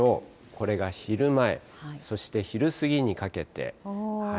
これが昼前、そして昼過ぎにかけて。